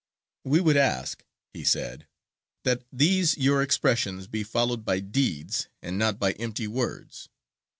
"We would ask," he said, "that these your expressions be followed by deeds, and not by empty words.